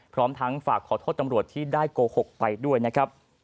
พร้อมทั้งฝากขอโทษตำรวจที่ได้โกหกไปด้วยนะครับ